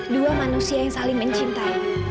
dua manusia yang saling mencintai